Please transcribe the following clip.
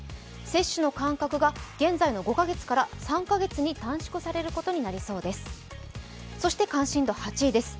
接種の間隔が現在の５か月から３か月に短縮されることになりそうです。